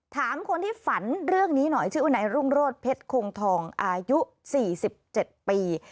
ถามคนที่ฝันเรื่องนี้หน่อยชื่อวนายรุ่งโรธเพชรคงทองอายุ๔๗ปี